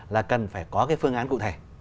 là cần phải có cái phương án cụ thể